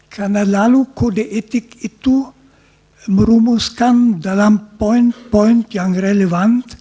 karena lalu kode etik itu merumuskan dalam poin poin yang relevan